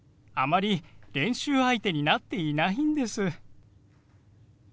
あまり練習相手になっていないんです。